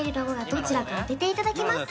どちらか当てていただきます